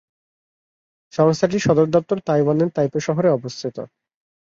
সংস্থাটির সদর দপ্তর তাইওয়ানের তাইপে শহরে অবস্থিত।